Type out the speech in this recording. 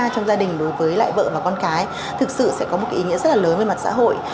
trong gia đình đối với lại vợ và con cái thực sự sẽ có một ý nghĩa rất là lớn với mặt xã hội